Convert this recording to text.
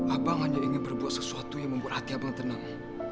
abang hanya ingin berbuat sesuatu yang membuat hati abang tenang